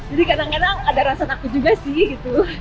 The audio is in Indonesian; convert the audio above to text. jadi kadang kadang ada rasa takut juga sih gitu